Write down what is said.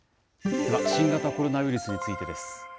では、新型コロナウイルスについてです。